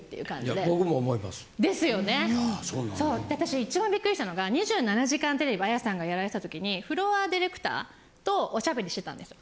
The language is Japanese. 私一番ビックリしたのが『２７時間テレビ』彩さんがやられた時にフロアディレクターとおしゃべりしてたんですよ。